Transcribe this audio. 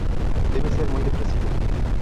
Debe ser muy depresivo.